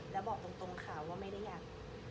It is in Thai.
แล้วบอกตรงค่ะว่าไม่ได้อยาก